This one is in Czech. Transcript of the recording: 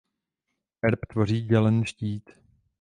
Erb tvoří dělený štít.